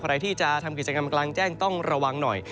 ใครที่จะทำกิจกรรมกลางแจ้งต้องระวังหน่อย